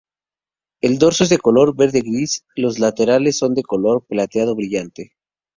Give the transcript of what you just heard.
El dorso es de color verde-gris, los laterales son de color plateado brillante.